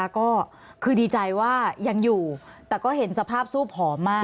ก็คือดีใจว่ายังอยู่แต่ก็เห็นสภาพสู้ผอมมาก